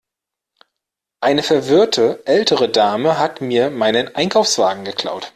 Eine verwirrte ältere Dame hat mir meinen Einkaufswagen geklaut.